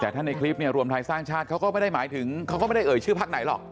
แต่ถ้าในคลิปเนี่ยรวมไทยสร้างชาติเขาก็ไม่ได้หมายถึงเขาก็ไม่ได้เอ่ยชื่อพักไหนหรอก